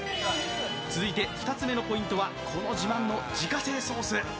続いて２つ目のポイントは自慢の自家製ソース。